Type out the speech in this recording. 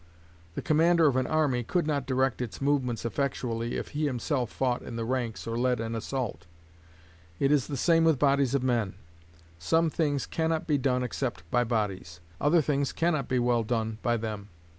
The commander of an army could not direct its movements effectually if he himself fought in the ranks or led an assault. It is the same with bodies of men. Some things can not be done except by bodies; other things can not be well done by them.